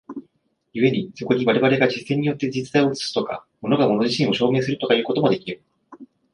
故にそこに我々が実践によって実在を映すとか、物が物自身を証明するとかいうこともできる。